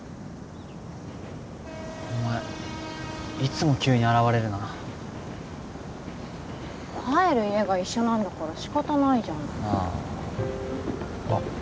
お前いつも急に現れるな帰る家が一緒なんだから仕方ないじゃないあっ